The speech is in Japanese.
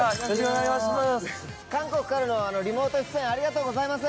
韓国からのリモート出演ありがとうございます。